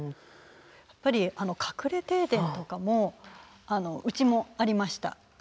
やっぱりあの隠れ停電とかもうちもありました。